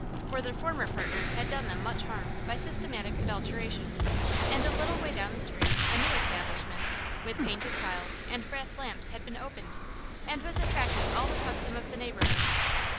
For their former partner had done them much harm by systematic adulteration, and a little way down the street a new establishment, with painted tiles and brass lamps, had been opened, and was attracting all the custom of the neighbourhood.